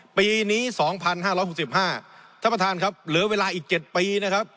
ปีนี้๒๕๖๕ท่านประธานครับเหลือเวลาอีก๗ปีนะครับ